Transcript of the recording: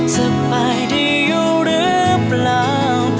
สบายดีอยู่หรือเปล่า